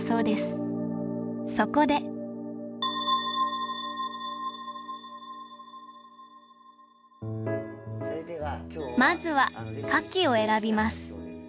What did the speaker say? そこでまずは花器を選びます。